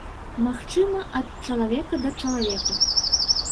Магчыма, ад чалавека да чалавека.